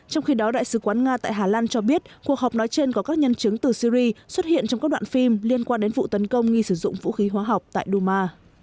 trong khi đó đại sứ quán nga tại hà lan cho biết cuộc họp nói trên có các nhân chứng từ syri xuất hiện trong các đoạn phim liên quan đến vụ tấn công nghi sử dụng vũ khí hóa học tại duma